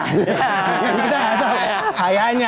jadi kita nggak tahu kayaknya